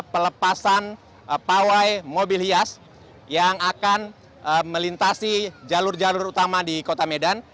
pelepasan pawai mobil hias yang akan melintasi jalur jalur utama di kota medan